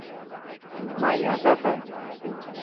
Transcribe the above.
مائي آدت هي.